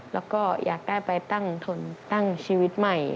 แล้วก็อยากได้ไปตั้งชีวิตใหม่